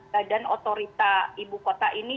badan otorita ibu kota ini